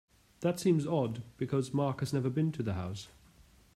That seems odd because Mark has never been to the house.